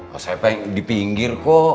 gak usah pak yang di pinggir kok